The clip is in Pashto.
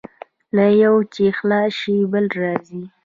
له یوه چې خلاص شې، بل راځي.